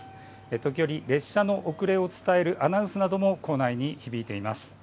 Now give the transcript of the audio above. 時折、列車の遅れを伝えるアナウンスなども構内に響いています。